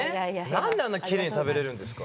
何であんなキレイに食べれるんですか？